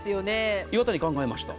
岩谷、考えました。